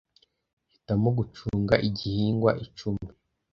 hitamo gucunga igihingwa icumi"